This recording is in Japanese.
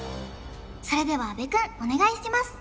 それでは阿部くんお願いします